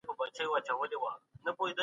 ځیني پښتانه